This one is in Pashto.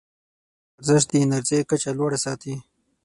منظم ورزش د انرژۍ کچه لوړه ساتي.